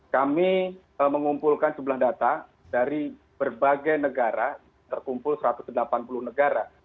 kami mengumpulkan jumlah data dari berbagai negara terkumpul satu ratus delapan puluh negara